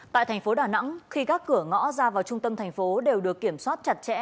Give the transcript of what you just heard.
tại thành phố đà nẵng khi các cửa ngõ ra vào trung tâm thành phố đều được kiểm soát chặt chẽ